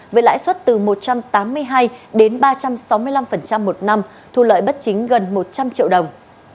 với lãi suất từ một trăm tám mươi hai đến ba trăm sáu mươi năm một năm thu lợi bất chính gần một trăm linh triệu đồng